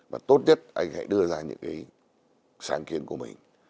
và tốt nhất anh hãy đưa ra những cái sáng kiến của mình